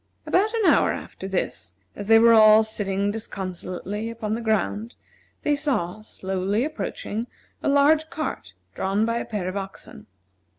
About an hour after this, as they were all sitting disconsolately upon the ground, they saw, slowly approaching, a large cart drawn by a pair of oxen.